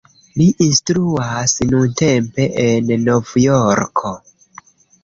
Li instruas nuntempe en Novjorko.